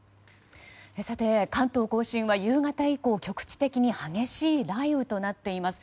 関東・甲信は夕方以降局地的に激しい雷雨となっています。